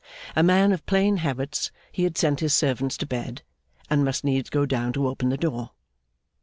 A man of plain habits, he had sent his servants to bed and must needs go down to open the door.